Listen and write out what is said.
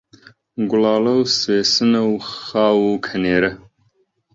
گوڵاڵە و سوێسنە و خاو و کەنێرە